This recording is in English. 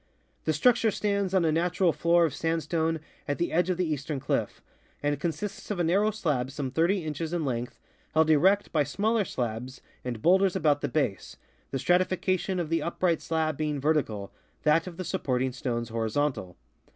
The structure stands on a natural floor of sandstone at the edge of the eastern cliff, and consists of a narrow slab some 30 inches in length held erect by smaller slabs and bowlders about the base, the stratification of the upright slab being vertical, that of the supporting stones horizontal.